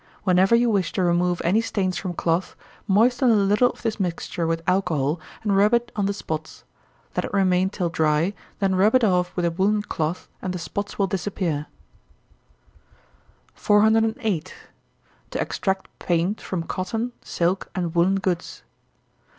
Whenever you wish to remove any stains from cloth, moisten a little of this mixture with alcohol, and rub it on the spots. Let it remain till dry, then rub it off with a woollen cloth, and the spots will disappear. 408. _To extract Paint from Cotton, Silk, and Woollen Goods.